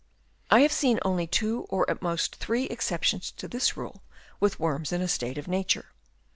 I have seen only two or at most three exceptions to this rule with worms in a state of nature.